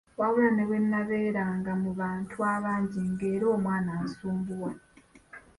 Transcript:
Wabula ne bwe nnabeeranga mu bantu abangi nga era omwana ansumbuwa.